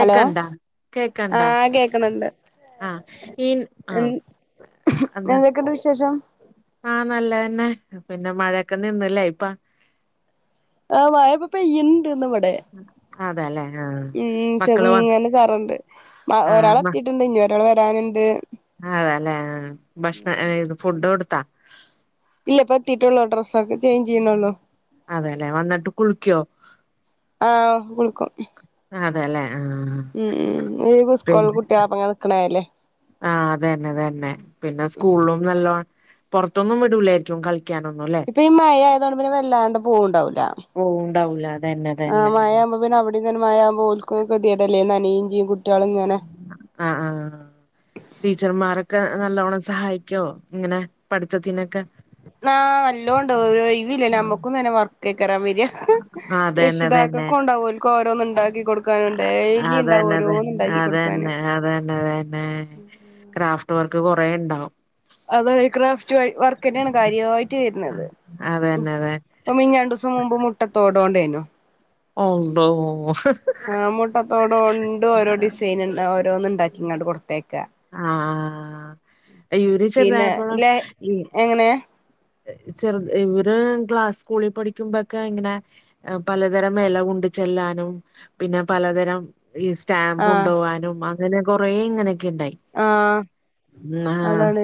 Hello, കേക്കണ്ടാ ആഹ്, കേക്കുന്നുണ്ട്. ആഹ് എ, ഈ ആഹ് എന്, എന്താ എന്തൊക്കെയണ്ട്, വിശേഷം? ആഹ്, നല്ലതന്നെ, പിന്നെ, മഴയൊക്കെ, നിന്നലെ ഇപ്പ ആ, മഴപ്പ, പെയ്യിനിണ്ട്, ഇന്ന്, ഇവിടെ. അതെല്ലേ ആഹ് ഉം, മക്കള് വ ചെറുങ്ങനെ, ചാറ്ണ്ട്, മ, ഒരാൾ എത്തിട്ടുണ്ട്, ഇനി ഒര രാള്, വരാനുണ്ട്. അതല്ലെ, ആഹ, ഭക്ഷണം, ഇ, ഫുഡ്, കൊടുത്താ? ഇല്ല, പ്പത്തിട്ടുള്ളൂ, ഡ്രസ്സൊക്കെ, ചേഞ്ച്, ചെയ്യണള്ളൂ. അതെല്ലെ, വന്നിട്ട്, കുളിക്കോ? ആഹ്, കുളിക്കും. അതെല്ലെ, ആഹ്. ഉം, ഉം, ഈ സ്കൂളിൽ, പിന്നെ കുട്ടികൾപ്പം, ങ്ങനെ, നിക്കണല്ലേ. ആഹ്, അതന്നെ, അതന്നെ, പിന്നെ, സ്കൂളിലും, നല്ല, പുറത്തൊന്നും, വിടുലായിരിക്കും, കള ക്കാനൊന്നുല്ലേ? ഇപ്പൊ, ഈ, മഴയതുകൊണ്ട്, പിന്നെ, വെല്ലാണ്ട്, പോവുണ്ടാവില്ല. ഓ, ഉണ്ടാവൂ, ല അതന്നെ, അന്നെ. അപ്പ, പിന്നെ, അവിടന്നെ, ഓൽക്കും, അത്, കെടല്ലേ, നനയുംചെയ്യും, കുട്ടിയാൾ ഇങ്ങനെ. ആഹ്, ആഹ്. ടീച്ചർമാരൊക്കെ നല്ലോണം സഹായിക്കോ ഇങ്ങനെ പഠിതാത്തിനൊക്കെ? ആഹ നല്ലോണ്ട് ഒഴിവില്ലല്ലോ നമ്മക്കും തന്നെ വർക്ക് അയ്കാരം വേര. അതന്നെ അതന്നെ രക്ഷിതാകൾക്കും ഉണ്ടാവുംഓൽക്ക് ഓരോന്ന് ഇണ്ടാക്കി കൊടുക്കാനും ഡെലി ഉണ്ടാവകും അതന്നെ അതന്നെ ഓരോന്ന്. ഉണ്ടാക്കി കൊടുക്കാന് അതന്നെ അതന്നെ അതന്നെ ക്രാഫ്റ്റ് വർക്ക് കൊറെ ഉണ്ടാവും. അതെ ക്രാഫ്റ്റ് വർക്ക്ന്നെയാണ് കാര്യായിട്ട് വരുന്നത് ഉം. അതന്നെ അതെ ഇപ്പോ മിനിഞ്ഞഞ്ഞ് രണ്ട് ദിവസം മുമ്പ് മുട്ടത്തോടോണ്ടേനു. അള്ളോ ഹ് ഹ്. ആ മുട്ടത്തോടണ്ട് ഓരോ ഡിസൈൻ ഇൻ ഓരോന്ന് ഇണ്ടാക്കിക്കാണ്ട് കൊടുത്തേയ്ക്ക. ആഹ് ഇവര് പിന്നെ ചെറുതായപ്പോഴും ല്ലെ എങ്ങനെ. ഏ ചെറുത് ഇവര് ക്ലാസ്സ് സ്കൂളിൽ പഠിക്കുമ്പോക്കെ ഇങ്ങനെ. പലതരം ഇല കൊണ്ടു ചെല്ലാനും പിന്നെ പലതരം. ഈ സ്റ്റാമ്പ് ആഹ് ഉണ്ടോവാനും അങ്ങനെ കൊറേ ഇങ്ങനെയൊക്കെ ഉണ്ടായി. ആഹ് ന്ന അതാണ്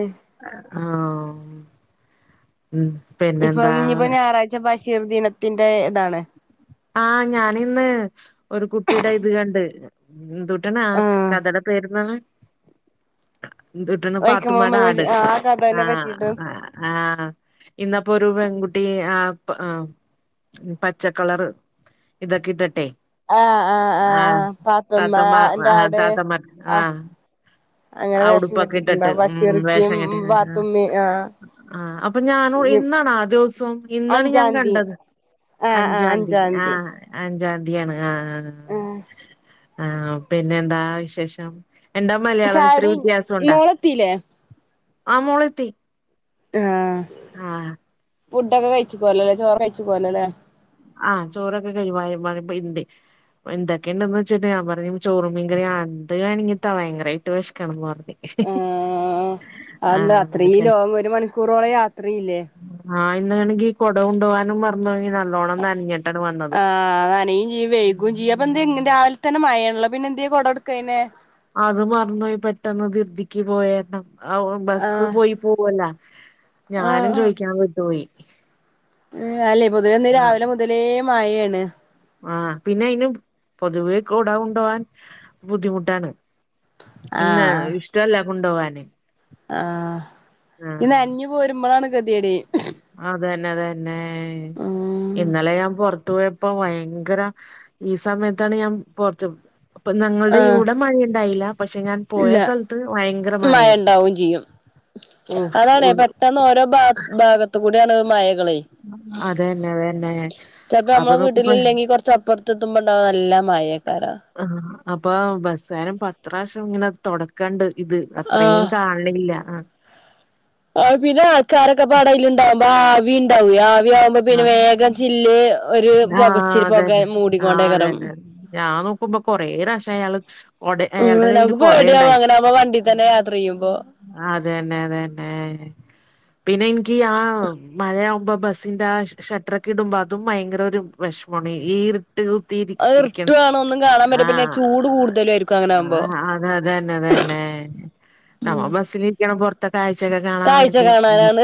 ആഹ. ഉം. ഇപ്പൊ ഇനിയിപ്പോ ഞായറാഴ്ച ബഷീർ ദിനത്തിന്റെ ഇതാണ്. ആഹ ഞാനിന്ന് ഒരു കുട്ടിയുടെ ഇത് കണ്ട് ഇന്തു ട്ടന ആ ആഹ് കഥടെ പേരുന്നാപറഞ്ഞെ ഏദുട്ടണ് വൈക്കം പാത്തുമാടെ മുഹമ്മദ് ആട് ബഷീർ ആ കഥേനെ ആഹ പറ്റിയിട്ട് ആ. ആഹ് ഇന്നപ്പൊ ഒരു പെൺകുട്ടി ആ പ പച്ചക്കളർ ഇതൊക്കെ ഇട്ടിട്ടെ? ആ ആ ആ ആഹ താത്തമാ പാത്തുമ്മന്റെ ആ ആട് താതമാ ആഹ്. അങ്ങനെ ആ വേഷം ഉടുപ്പൊക്കെ ഇട്ടിട്ട് കെട്ടിട്ടുണ്ടാവും ഉം ബഷീർക്കയും വേഷം കെട്ടി ആ. പാത്തുമ്മി ആ അപ്പൊ ഞനോ ഇന്നാണ് ആ ദിവസം ഇന്നാണ് ഞാൻ അഞ്ചാംതി കണ്ടത്. ആ ആ അഞ്ചാതീ അഞ്ചാംതി ആഹ. അഞ്ചാതിയാണ് ആഹ ആ ആഹ പിന്നെ എന്താ വിശേഷം? എന്താ മലയാളം ഇത്ര ചായുടി കഴിഞ്ഞോ വ്യത്യാസം ഉണ്ടോ മോളെത്തില്ലേ ആ മോളെത്തി. ആഹ ആ ഫുഡൊക്കെ കഴിച്ചുകോ ലല്ലെ ചോറ് കഴിച്ചു കോലല്ലെ ആഹ് ചോറൊക്കെ കഴിവായ പ്പോ ഹിന്ദി. എന്തൊക്കെയുണ്ടന്ന് വെച്ചിട്ട് ഞാൻ പറഞ്ഞു ചോറും മീൻകറി അത് ണെങ്കിൽതാ ഭയങ്കരായിട്ട് വെശക്ക്ണ്ന്ന് റഞ്ഞ് ആ അല്ല അത്രം എന്നിട്ട് ലോങ്ങ്‌ ഒരു മണിക്കൂറോളം യാത്രല്ലേ? ആ ഇന്നണെങ്കിൽ കൊട കൊണ്ട് പോവാനും മറന്ന്പോയി നല്ലോണം നനഞ്ഞിട്ടാണ് വന്നത് ആ ആ നനയുംചെയ്യും വെ [unintelligible] അപ്പ എന്തെ രാവിലെതന്നെ മഴയണല്ലോ പിന്നെ എന്തെ കൊടകൊടുകായിഞ്ഞേ അത് മറന്ന് പോയി പെട്ടെന്ന് ദി ർതിക്ക് പോയതാ ആ ബസ്സ് ആഹ് പോയി. പോവല്ലേ, ആഹ് ഞാനും ചോയ്ക്കാൻ വിട്ടു പോയി. ഉം അല്ലെ പൊതുവെന്ന് രാവിലെ മുതലേ മാഴണ്. ആഹ് പിന്നെ അതിനും പൊതുവേ കുട കൊണ്ടോകാൻ ബുദ്ധിമുട്ടാണ്. പിന്നെ ആഹ് ഇഷ്ടല്ല കൊണ്ടോവാൻ. ആഹ് ഈ നനഞ്ഞ് പോരുമ്പോഴാണ് കെതിയെട്. അതന്നെ അതന്നെ ഉം ഇന്നലെ ഞാൻ പോറത്ത്പോയ പ്പൊ ഭയങ്കര ഈ സമയത്താണ് ഞാൻ പുറത്ത്. അപ്പൊ ഞങ്ങളുടെ ആഹ് ഇവിടെ മഴ ഉണ്ടായില്ല പക്ഷെ ഞാൻ പോയ ഇല്ല സ്ഥലത്ത് ഭയങ്കര മഴ. മഴ ഇണ്ടാക്കും ചെയ്യും. അതാണ് പെട്ടെന്ന് ഓരോ ഭാ ഭാഗത്ത് കൂടെ ആണ് മഴകള്. അതന്നെ അതന്നെ ചിലപ്പോ അപ്പൊ നമ്മളെ വീട്ടിൽ നോക്കുമ്പോ ഇല്ലെങ്കിൽ കൊറച്ച് അപ്പുറത്ത് എത്തുമ്പോണ്ടാവും നല്ല മഴ കര ആഹ് അപ്പൊ ബസാരം പത്ത് പ്രാവിശ്യം ഇങ്ങനെ തോടക്കണ്ട് ഇത് ആഹ് അത്രം കാണ ണില്ല ആഹ് ആ പിന്നെ ആൾക്കാർക്കപ്പാടെആയില് ഉണ്ടാവുമ്പോ ആവി ഉണ്ടാവെയ് ആവി ആവുമ്പ അപ്പൊ ആ പിന്നെ വേഗം ചില്ല് ഒരു ആ പുകച്ചിൽ പുക അതന്നെ ആ മൂടിക്കൊണ്ടേയ്ക്കാരം. അതന്നെ ഞാൻ നോക്കുമ്പോ കൊറേ പ്രാവശ്യം അയാള് കൊട ഉം അയാളുടെ നമ്മക്ക് കയ്യില് പേടിയാവും കൊടയുണ്ടായി അങ്ങനെ ആവുമ്പോ വണ്ടി തന്നെ യാത്ര യ്യുമ്പോ. ആ അതെന്നെ അതെ ന്നെ പിന്നെ ഇൻക്ക് ആ മഴയാവുമ്പോ ബസിന് ഷട്ടട്രൊ ക്കെ ഇടുമ്പോ അതും ഭയങ്കര ഒരു വഷ് മാണ് ഈ ഇർ ട്ട് അ ഇർട്ടു ആണ് ഒന്നും കാണാൻ പറ്റു പിന്നെ ചൂട് ആഹ് കൂടുതലാ യിരിക്കും അങ്ങനവുമ്പോ ആഹ് അതന്നെ അതന്നെ നമ്മ ബസ്സലി രിക്കണപൊർ ഇത്തെ കാഴ്ചൊക്കെ കാണാൻ കാഴ്ച വേണ്ടി കാണാനാണ്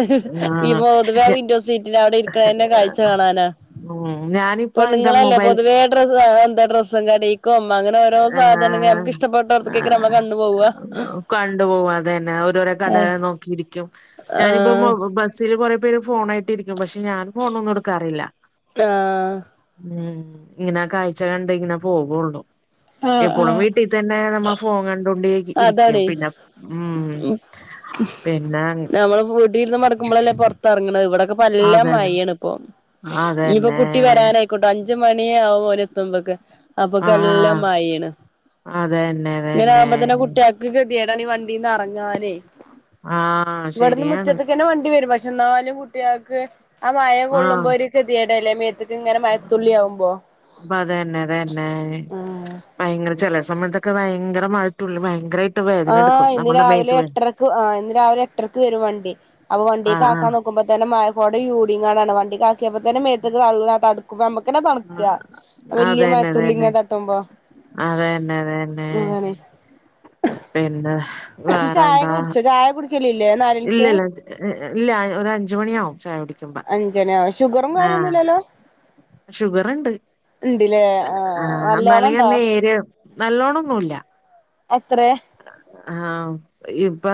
ഈ ആഹ് പൊതുവെ വിൻഡോ സീറ്റിൽ അവിടെ ഇരിക്കണന്നെ കാഴ്ച കാണാനാ ഉം ഞാനിപ്പോ എന്താ പെണ്ണുങ്ങളല്ലേ മൊബൈൽ [unintelligible] എന്താ ഡ്രസ്സും കടിം ആഹ ആ ഇഷ്ടപ്പെട്ടോടത്തേക്ക് നമ്മളെ കണ്ണ് പോവ കണ്ടു പോവാ അതന്നെ അരോര ആഹ് കടള്ള് നോക്കിയിരിക്കും ഞാനിപ്പംമൊ ആഹ് ബസ്സിൽ കുറെപേര് ഫോണേ ട്ടിരിക്കും പക്ഷെ ഞാൻ ഫോണൊന്നുടു ക്കാറില്ല. ആഹ് ഉം ഇങ്ങനെ കാഴ്ച കണ്ട് ഇങ്ങനെ പോകുള്ളു. എപ്പോഴും ആഹ് വീട്ടിതന്നെ നമ്മ ഫോൺ കണ്ടോണ്ടെ ഇരിക്കും. അതാണേ പിന്നെ ഉം പിന്നെ നമ്മള് വൂട്ടിയിരുന്ന് മടക്കുമ്പോഴല്ലേ പുറത്ത്റങ്ങണത് ഇവിടെക്ക നല്ല അതന്നെ മയേണ് ഇപ്പൊ അതന്നെ ഇനിയിപ്പോകുട്ടി വരാന ട്ട് അഞ്ചുമണിയാവു ഓല് എത്തുമ്പക്ക്. അപ്പൊക്കെ നല്ല ആഹ് മഴയാണ് ആഹ് അതന്നെ ഇങ്ങനെ അതന്നെ ആകുമ്പ തന്നെ കുട്ട്യാ ൾക്ക് ഗതിയടാണീ വണ്ടീന്ന് അ റങ്ങാനേ ആഹ് ഇവിടന്ന് ശരിയാണ് മുറ്റത്ത്ക്കനെ വണ്ടി വരും പ ന്നാലും കുട്ടാൾക്ക് ആ മയ ആഹ് കൊള്ളുമ്പോ ഒരു കെദ്യേടല്ലേ മേ ഇത്ങ്ങനെ മയത്തുള്ളി ആവു മ്പോ അപ്പ അതന്നെ അതന്നെ ആഹ് ഭയങ്കര ചല സമയത്തൊക്കെ ഭയങ്കരമായതുള്ളി ഭയങ്കര ആഹ ഇന്ന് രാവിലെ എട്ടരക്ക് ആ ഇന്ന് രാവിലെ എട്ടരക്ക് വരും വണ്ടി അപ്പൊ വണ്ടിക്ക് ആഹ് ആക്കാൻ നോക്കു ആക്കുമ്പോ തന്നെ മഴ കൊടിം ചയൂടിങ്ങാണ്ടണ് വണ്ടിക്ക് ആക്കിയപ്പോ തന്നെ മേത്ത് വള്ളം തടുക്കുമ്പമ്മക്ക് ഇക്കന്നെ തണ്ക്ക ആഹ് വല്യ മഴത്തുള്ളിങ്ങനെ തട്ടുമ്പോ അതെന്നെ അതെന്നെ അതാണ് ന്നെ ഇജ് ചായക്കെ കുടിച്ചോ ചായ കുട് ഇല്ലല്ല ഹ് ഹ് ഇല്ല ഒര അഞ്ച് മണിയാവും ചായ കുടി.. അഞ്ചണിവും ഷുഗറും കാര്യന്നും ല്ലല്ലോ ഷുഗർണ്ട് ഇണ്ട്ല്ലേ ആ ആഹ് നല്ലോണം എന്നാലിക ഇണ്ടോ നേരി നല്ലോണന്നുല്ല എത്ര ആഹ് ഇപ്പ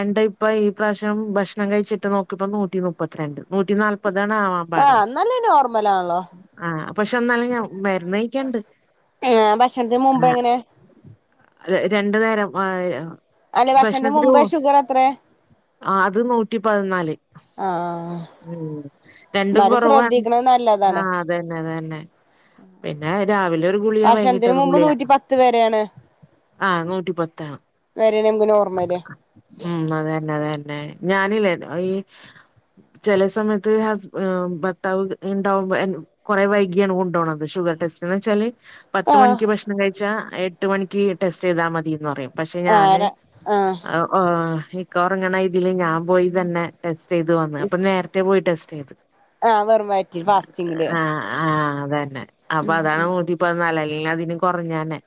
എന്റെ ഇപ്പ ഈ പ്രാവശ്യം ഭക്ഷണം കഴിച്ചിട്ട് നോക്കിപ്പോ നൂറ്റി നു പ്പത്തിരണ്ട് നൂറ്റി നാല്പതാണവാം ആഹ് ന്നാലും നോർമലാളോ ആഹ് പക്ഷെ ന്നാലും ഞാ മരുന്ന് യിക്കണ്ട് ആഹ് ഭക്ഷണത്തിന് മുമ്പ് ആ എങ്ങനെ ര രണ്ടു നേരംമഴയോ അല്ലെ ഭക്ഷതിന്നു മുമ്പേ ഷുഗർ എത്ര ആ അത് നൂറ്റി പതിനാല് ആഹ് ആഹ് ആഹ് ഉം രണ്ടും കൊറവാണ് ആ നല്ലതാണ് അതന്നെ അതന്നെ പിന്നെ രാവിലെ ഒരു ഗുളിക വൈകിട്ട് ഭക്ഷണത്തിന് രു മുമ്പ് ഗുളിക നൂറ്റി പത്ത് ആഹ് നൂറ്റി പ്പത്ത് വേരേ നമ്മ്ക്ക് നോർമല്ല് ഉം അതന്നെ അതന്നെ ഞാനില്ലേ ഈ ചല സമയത്ത് ഹസ് ഭർത്താവ് ഇണ്ടാവുമ്പോ എൻ കുറെവൈകിയാണ് കൊണ്ടോ ണത് ഷുഗർ ടെസ്റ്റ്ന്ന് വെച്ചാല് പത്ത് ആഹ് മണിക്ക് ഭക്ഷണം കഴിച്ചാ എട്ട് മണിക്ക് ടെസ്റ്റ് ചെയ്താ മതിന്ന് പറയും പക്ഷെ ഞാന് ആരാ ആഹ് ഹ്ഓ ഇക്ക ഉറങ്ങണ തില് ഞാൻ പോയി തന്നെ ടെസ്റ്റ് ചെയ്ത് വന്ന് അപ്പം നേരത്തെ പോയി ടെസ്റ്റ് ചെയ്ത് ആഹ് വെറും വയറ്റിൽ ഫാസ്റ്റിങ്ങില് ആ ആഅതന്നെ അപ്പൊ അതാണ് [unintelligible] ഇപ്പൊ [unintelligible] കുറഞ്ഞന്നെ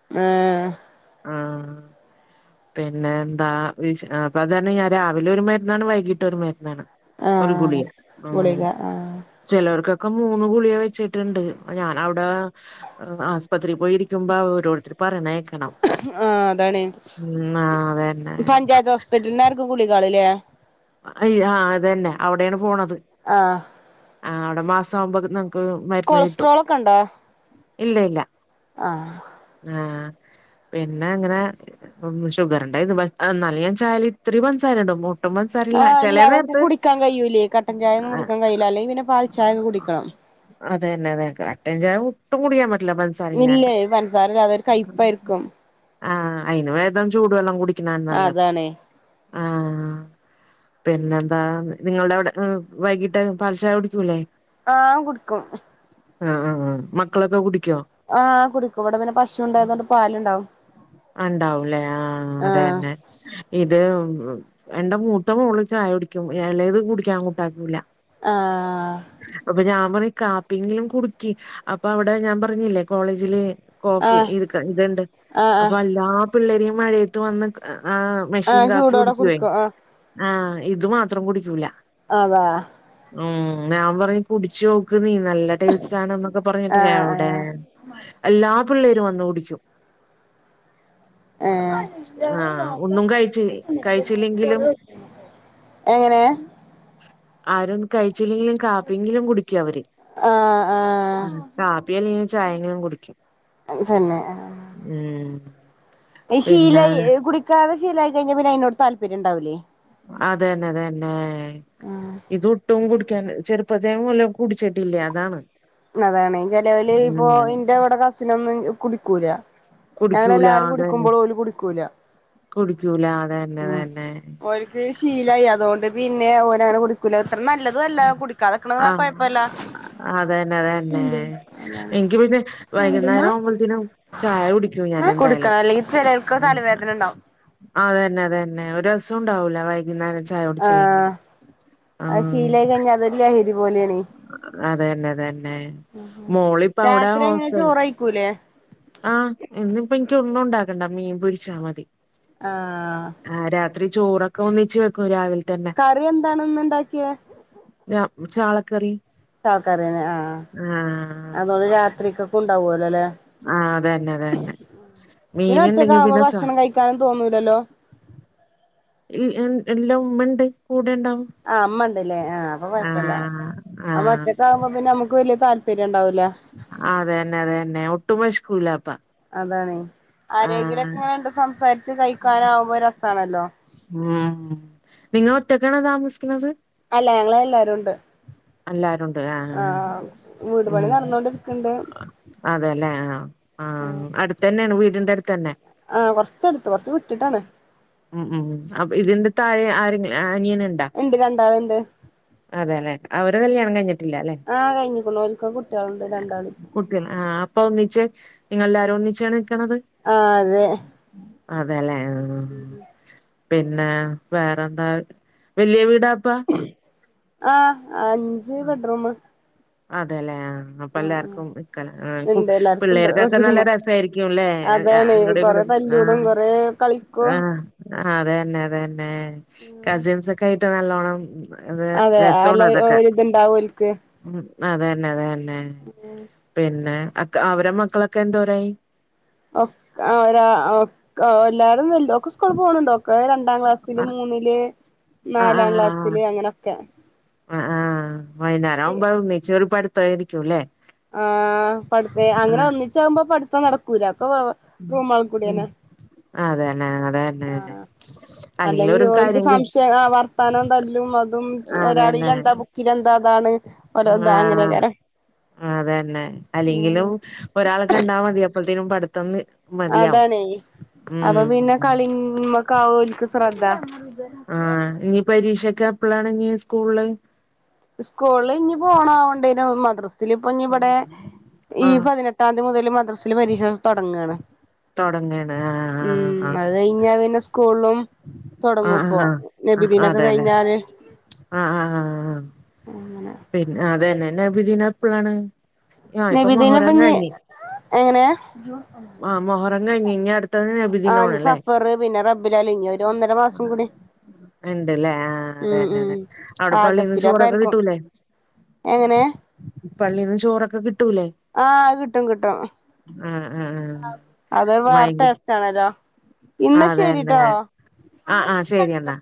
[unintelligible] ആഹ് പിന്നെ എന്താ അപ്പത് രണ്ണം ഞാൻ രാവിലെ ഒരു മരുന്നാണ് വൈകീട്ട് ഒരു മരുന്നാണ് ഒരു ആഹ് ഗുളിയ മം ഗുളിക ആഹ് ചെലോർകൊക്കെ മൂന്ന് ഗുളിക വെച്ചിട്ടുണ്ട് ഞാൻ അവിടെ ആസ്‌പത്രിയിൽ പോയിരിക്കുമ്പ ഓരോരുത്തര് പറയണേ ക്കണം. ആ അതാണ് അതന്നെ പഞ്ചായത്ത് ഹോസ്പിറ്റലിനാർക്കു ഗുളികളില്ലേ അയി ആ അതന്നെ അവിടെണ് പോണത്. ആഹ് ആ വിടെ മാസമാകുമ്പോ നമക്ക് മരുന്ന് കിട്ടും കൊളസ്ട്രോൾ ഒക്കെ ഉണ്ടോ ഇല്ല ഇല്ല ആഹ് ആ പിന്നെങ്ങനെ. ഉം ഷുഗറു ണ്ടായി ഇന്നാലും ഞാ ചായില് ഇച്ചിരി പൻസാര ഇടും ഒട്ടും ആഹ് ഇല്ല സാരല്ലചെലെ അതൊക്കെ നേരത്ത് കുടിക്കാൻ കഴിയൂലേ കട്ടൻ ചായ ഒന്നും കുടിക്കാൻ കഴിയില്ല അല്ലെങ്കിൽ പിന്നെ പാൽച്ചായ കുടിക്കണം അതെന്നെ അതേ കട്ടൻചായ ഒട്ടും കുടിക്കൻ ഇല്ലേ പൻസാരല്ലാതെ ഒരു കയി പ്പായിരിക്കും ആഹ് അയിന് ബേദം ചൂട് ള്ളം കുടിക്കണ നല്ലത് അതാണ് ആ പിന്നെന്താ നിങ്ങൾടെ അവിടെ വൈകിട്ട് പാൽചായ കുടിക്കൂലേ ആ കുടുക്കും ആഹ് ആഹ് ആ മക്കളൊക്കെ കുടിക്കോ. ആഹ കുടിക്കും ഇവിടെ പിന്നെ പശു ഉണ്ടായതൊണ്ട് പാലുണ്ടാക്കും ആ, ഉണ്ടാവൂലേ ആഹ് ആ അതന്നെ ഇത് മം എന്റെ മൂത്ത മോള് ചായ കുടിക്കും ഇളേത് കുടിക്കാകൂട്ടാകൂല. ആഹ് അപ്പൊ ഞാൻ പറിം കാപ്പിങ്കിലും കുടിക്കി അപ്പൊ അവടെ ഞാന് പറഞ്ഞില്ലേ കോളേജില് കോഫി ആഹ് ഇത്ക്ക ഇത്ണ്ട് ആഹ് അപ്പൊ ആഹ് എല്ലാ പിള്ളേരും ഈ മഴത്ത് വന്ന് ഏഹ് മെഷീൻ ആഹ് കാപ്പി ചൂടോടെ കുടിക്കുവേ കുടിക്കും ആഹ് ആഹ് ഇത് മാത്രം കുടിക്കൂല അതെ ഉം ഞാൻ പറയും കുടിച്ചോക്ക് നീ നല്ല ടെസ്റ്റാണെന്നൊക്കെ പറഞ്ഞിട്ട് ആഹ് എവടെ ആഹ് എല്ലാ പിള്ളേരും വന്ന് കുടിക്കും ഏഹ് ആഹ് ഒന്നും കഴ്ച്ച് കഴിച്ചില്ലേ എങ്ങനെ ആരും കഴിച്ചില്ലെങ്കിലും കാപ്പിയെങ്കിലും കുടിക്കു അവര് ആഹ് ഉം ആഹ് കാപ്പിയലെങ്കിലും ചായെങ്കിലും കുടിക്കും തന്നെ ഏഹ് അത് ശീലായി കുടിക്കാതെ ശീലായി കഴിഞ്ഞ പിന്നെ അയിനോട് താല്പര്യണ്ടാവൂലെ അതന്നെ അതന്നെ ഇത് ഒട്ടും കുടിക്കാൻ ചെറുപ്പത്തെപ്പോല് കുടിച്ചിട്ടില്ല്യ അതാണ് അതാണ് ചിലോല് ഇപ്പൊ ഉം ഇന്റെ ഇവടെ കസിനൊന്നും കുടിക്കൂല കുടിക്കൂല ഞങ്ങളെല്ലാരും അതന്നെ കുടിക്കുമ്പളും ഓല് കുടിക്കൂല കുടിക്കൂല അതന്നെ ആഹ് അതന്നെ ഓല് ക്ക് ശീലായി അതൊണ്ട് പിന്നെ ഓലങ്ങനെ കുടിക്കൂല അത്ര നല്ലതും അല്ല കുടിക്കാതക്ക്ണ കൊഴപ്പല്ല അത് തന്നെ അത് തന്നെ എനിക്ക് പിന്നെ വൈകുന്നേരാവുമ്പത്തിനും ചായ കുടിക്കും ഞാനെന്തായാലും കൊടുക്കണം അല്ലെങ്കിൽ ചിലർക്ക് മ്മ് തലവേദന ഉണ്ടാവും അ അതെന്നെ അതെന്നെ ഒരു രസണ്ടാവൂല വൈ കുന്നേരം ചായോടിച്ചില്ലെങ്കില് ആഹ് ഴിഞ്ഞ അതോര് ലഹരി പോ അതെന്നെ അതെന്നെ മോള് ഇപ്പവ്ടെ ഹോസ്റ്റല് ക്കുലേ ആഹ് ഇന്നിപ്പോ ഇന്ക്ക് ഒന്നും ഇണ്ടാക്കണ്ട മീൻപൊരിച്ചാ മതി ആഹ് ആഹ് രാത്രി ചോറൊക്കെ ഒന്നിച്ച് വെക്കും രാവി കറി എന്താണ് ഇന്ന് ഇണ്ടാക്ക്യേ ഞാ ചാളക്കറി ചാലക്കറിയെന്നേ ആഹ് ആഹ് ആ അതൊണ്ട് രാത്രിക്കക്കും ഇണ്ടാവല്ലോല്ലേ ആഹ് അത് തന്നെ അത് തന്നെ മീനുണ്ടെങ്കി പിന്നെ സ ക്കാനും തോന്നൂലല്ലോ ൽ എൻ ഇല്ല ഉമ്മണ്ട് കൂടെണ്ടാവും ആഹ് ഇമ്മണ്ട്ല്ലേ ആഹ് അപ്പൊ കൊഴപ്പല്ല ആ നമ്മ ഒറ്റക്കാവുമ്പോ പിന്നെ നമ്മക്ക് വല്ല്യ താൽ [unintelligible] ഇണ്ടാവൂല ആഹ് അതെന്നെ അതെന്നെ ഒട്ടും വെശക്കൂലാപ്പോ അതാണേ ആരെങ്കിലൊക്കെ ഇങ്ങനെ സംസാരിച്ച് കഴിക്കാനാവുമ്പോ രസണല്ലോ മ്മ് നിങ്ങള് ഒറ്റക്കാണോ താമസിക്കുന്നത് അല്ല ഞങ്ങള് എല്ലാരും ഉണ്ട് എല്ലാരുണ്ട് ആഹ് ആഹ് വീട് പണി ഉം നടന്നോണ്ടിരിക്ക്ണ്ട് അതെല്ലെ ആഹ് ആഹ് അട്ത്തന്നെയാണ് വീടിന്റെ അട്ത്തെന്നെ ആഹ് കൊറച്ചട്ത്ത് കൊറച്ച് വിട്ടിട്ടാണ് ഉം ഉം അപ്പോ ഇതിന്റെ താഴെ ആരെങ്കി അനിയന് ഇണ്ട് രണ്ടാള്ണ്ട് അവരെ കല്യാണം കഴിഞ്ഞിട്ടില്ല അല്ലെ ആഹ് കഴിഞ്ഞ്ക്ക്ണു ഓല്ക്കൊക്കെ കുട്ട്യാള്ണ്ട് രണ്ടാള് കുട്ട്യാള് ആഹ് അപ്പൊ ഒന്നിച്ച് നിങ്ങളെല്ലാരും ഒന്നിച്ചാണ് നിക്ക്ണത് ആഹ് അതെ അതെല്ലേ ആഹ് പിന്നെ വേറെന്താ വല്ല്യ വീടാപ്പാ ആഹ് അഞ്ച് ബെഡ്‌റൂം അതെല്ലേ ആ അപ്പോ എല്ലാവർക്കും നിക്കാന്നും ഇണ്ട് എല്ലാർക്കുണ്ട് പിള്ളേർക്കൊക്കെ നല്ല ബെഡ്റൂമ് രസായിരിക്കും അല്ലേ അങ്ങടും ഇങ്ങടും ആ തല്ലുകൂടും കുറെ ആ കളിക്കും ആ അതെന്നെ അതെന്നെ കസിൻസോക്കെ ആയിട്ട് നല്ലോണം അത് രസാണ് അതൊക്കെ ഉണ്ടാകും ഓൽക്ക് ഉം അതന്നെ അതന്നെ പിന്നെ അക്ക അവരെ മക്കളൊക്കെ എന്തോരായി ഒക്ക് ആ ഒരാ ഒക്ക് എല്ലാരും വൽ ഓക്ക് സ്കൂളിൽ പോവാണുണ്ട് ഒക്ക് കുറെ രണ്ടാം ക്ലാസ്സില് ആ മൂന്നില് ആ ആ നാലാം ആ. ക്ലാസ്സില് അങ്ങനൊക്കെ ആ ആ വൈകുന്നേരം ആവുമ്പോ ഒന്നിച്ച് ഒരു പഠുത്തരിക്കൂല്ലേ ആ പഠിത്തെ അങ്ങനെ ഒന്നിച്ചാകുമ്പോ പഠിത്തം നടക്കൂല അപ്പോ മം മം അതന്നെ അതെ അതെന്നെ ആഹ് അല്ലൊരു കാര്യങ്കി ആ വർത്താനം തല്ലും അതും ഒരാളിലെന്താ ബുക്കിലെന്താ അതാണ് ഓരോ ഇതാ ആഹ് അങ്ങനെക്കാരം അതന്നെ അല്ലെങ്കിലും ഒരാളെ കണ്ടാ മതി അപ്പത്തേനും പഠിത്തം നി മതിയാവും അതണേ അപ്പ പിന്നെ ഉം കളിയും മക്ക ആവോൽക്ക് ശ്രദ്ധ ആഹ് ഇനി പരീക്ഷക്കെ എപ്പളാണ് ഇനീ സ്കൂള് സ്കൂളി ഇനിപ്പോ ഓണം ഒണ്ടേലും മദ്രസില് ഇപ്പോ ഇനി ഇവടെ ഈ ആ പതിനെ ട്ടാം തീ മൊതല് മദ്രാസില് പരീക്ഷതൊടങ്ങാണ് തൊടങ്ങയാണ് ആഹ് ആഹ് ആഹ് ആഹ് ആഹ് ഞ്ഞ പിന്നെ സ്കൂൾളും ആ തൊടങ്ങും ഇപ്പോ ആ നബിദീനൊക്കെ കയിഞ്ഞാല് ആഹ് ആഹ് ആഹ് ആഹ് അങ്ങനെ പിൻ, അതന്നെ. നബിദിനം എപ്പളാണ്? ആ ഇപ്പൊ മൊഹറം നബിദിനപിഞ് എങ്ങനെ? ആ മൊഹറം കഴിഞ്ഞു ഇഞ് അടുത്ത ആ ഞ് സഫറ്, പിന്നെ റബിൽ അവ്വൽ, ഞു ഒരു ഒന്നര മാസം കൂടി ഇണ്ടല്ലേ? ആഹ്, ആ ഉം അതന്നെ, ഉം അതന്നെ. അവിടെ പള്ളീന്ന് ആഗസ്റ്റിലൊക്കെ ചോറൊക്കെ ആയിരിക്കും കിട്ടൂലേ? എങ്ങനെ? പള്ളീന്ന് ചോറൊക്കെ കിട്ടൂലേ? ആഹ്, കിട്ടും, കിട്ടും. ആഹ് ആഹ് ആഹ് അതൊരു വേറെ ഭയങ്കര ടാസ്കണല്ലോ അതന്നെ, ആ ആ ശരി എന്നാ.